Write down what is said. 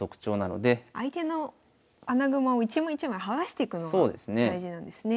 相手の穴熊を一枚一枚剥がしていくのが大事なんですね。